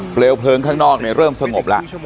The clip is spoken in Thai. เพลวเพลิงข้างนอกน่ะเริ่มสงบละ